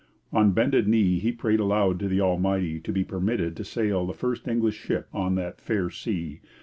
On bended knee he prayed aloud to the Almighty to be permitted to sail the first English ship on that 'faire sea.'